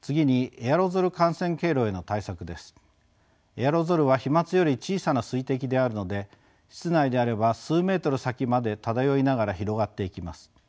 エアロゾルは飛まつより小さな水滴であるので室内であれば数メートル先まで漂いながら広がっていきます。